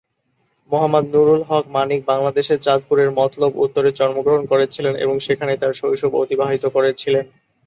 মোহাম্মদ নুরুল হক মানিক বাংলাদেশের চাঁদপুরের মতলব উত্তরে জন্মগ্রহণ করেছিলেন এবং সেখানেই তার শৈশব অতিবাহিত করেছিলেন।